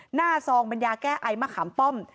หน้าซองเป็นยาแก้ไอมะขามป้อม